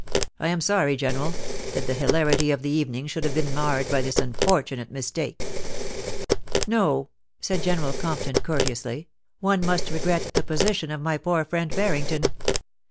I am sorry, General, that the hilarity of the evening should have been marred by this unfortunate mistake.' * No,' said General Compton, courteously ;* one must regret the position of my poor friend Harrington. Mr.